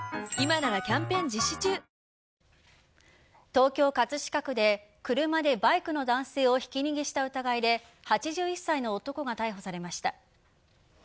東京・葛飾区で車でバイクの男性をひき逃げした疑いで８１歳の男が逮捕されました。